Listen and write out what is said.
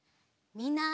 みんな！